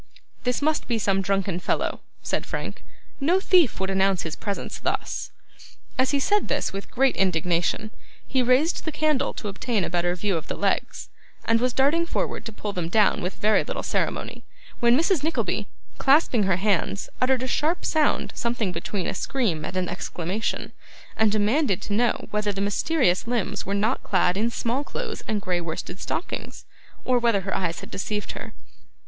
'This must be some drunken fellow,' said Frank. 'No thief would announce his presence thus.' As he said this, with great indignation, he raised the candle to obtain a better view of the legs, and was darting forward to pull them down with very little ceremony, when Mrs. Nickleby, clasping her hands, uttered a sharp sound, something between a scream and an exclamation, and demanded to know whether the mysterious limbs were not clad in small clothes and grey worsted stockings, or whether her eyes had deceived her.